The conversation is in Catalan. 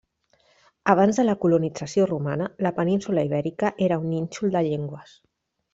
Abans de la colonització romana, la península Ibèrica era un nínxol de llengües.